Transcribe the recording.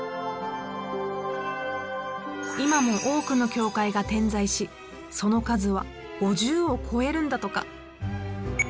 今も多くの教会が点在しその数は５０を超えるんだとか。